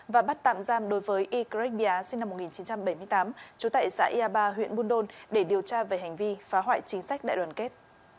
và bắt tạm giam đối với ybrek bia sinh năm một nghìn chín trăm bảy mươi tám chú tại xã yaba huyện bundon để điều tra về hành vi phá hoại chính sách đại đoàn kết